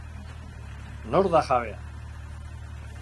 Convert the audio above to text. Nor da jabea?